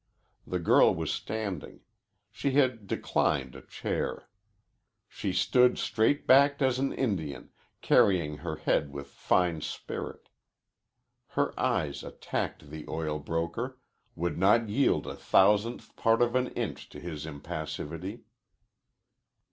The girl was standing. She had declined a chair. She stood straight backed as an Indian, carrying her head with fine spirit. Her eyes attacked the oil broker, would not yield a thousandth part of an inch to his impassivity.